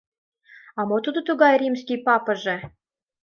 А мо тудо тыгай римский папыже?..